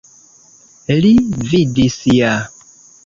Li vidis ja.